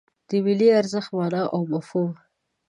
د ملي ارزښت مانا او مفهوم